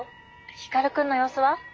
光くんの様子は？